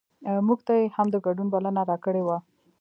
مونږ ته یې هم د ګډون بلنه راکړې وه.